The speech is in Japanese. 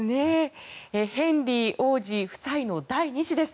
ヘンリー王子夫妻の第２子です。